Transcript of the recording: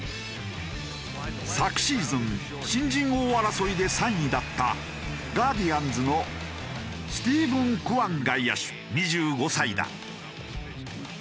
昨シーズン新人王争いで３位だったガーディアンズのスティーブン・クワン外野手２５歳だ。